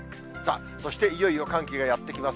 そして、いよいよ寒気がやって来ます。